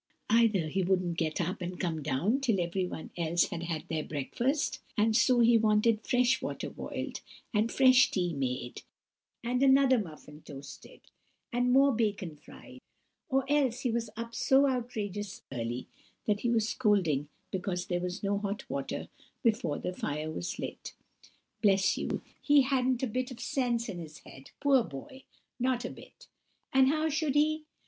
Either he wouldn't get up and come down till everyone else had had their breakfast, and so he wanted fresh water boiled, and fresh tea made, and another muffin toasted, and more bacon fried; or else he was up so outrageous early, that he was scolding because there was no hot water before the fire was lit—bless you, he hadn't a bit of sense in his head, poor boy, not a bit! And how should he?